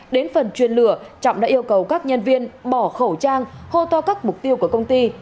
đến phần chuyên lửa trọng đã yêu cầu các nhân viên bỏ khẩu trang hô to các mục tiêu của công ty